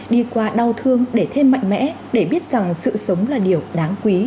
đi qua đau thương để thêm mạnh mẽ để biết rằng sự sống là điều đáng quý